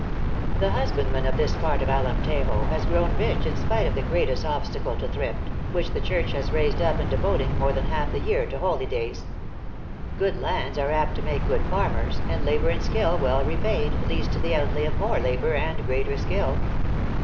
The husbandman of this part of Alemtejo has grown rich in spite of the greatest obstacle to thrift, which the church has raised THE ACTKESS IN HIGH LIFE. 195 up in devoting more than half the year to holy days. Good lands are apt to make good farmers, and labor and skill well repaid, leads to the outlay of more labor and greater skill."